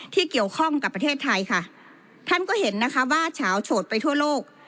ที่เกี่ยวข้องกับประเทศไทยค่ะท่านก็เห็นนะคะว่าเฉาโฉดไปทั่วโลก